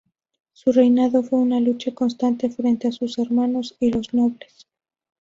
Su reinado fue una lucha constante frente a sus hermanos y los nobles.